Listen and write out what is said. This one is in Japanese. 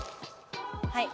はい。